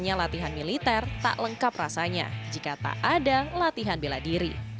hanya latihan militer tak lengkap rasanya jika tak ada latihan bela diri